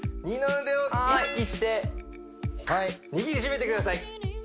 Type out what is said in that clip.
二の腕を意識して握りしめてください